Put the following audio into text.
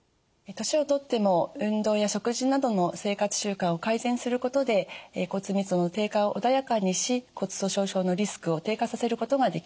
年をとっても運動や食事などの生活習慣を改善することで骨密度の低下を穏やかにし骨粗しょう症のリスクを低下させることができます。